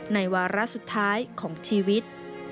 วาระสุดท้ายของชีวิต